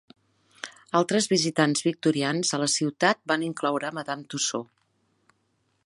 Altres visitants victorians a la ciutat van incloure Madame Tussaud.